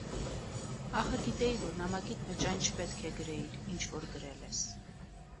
Ախր գիտեի, որ նամակիդ մեջ այն չպետք է գրեիր, ինչ որ գրել ես: